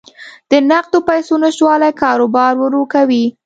د نقدو پیسو نشتوالی کاروبار ورو کوي.